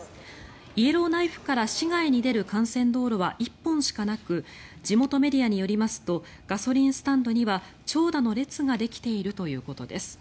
イエローナイフから市外に出る幹線道路は１本しかなく地元メディアによりますとガソリンスタンドには長蛇の列ができているということです。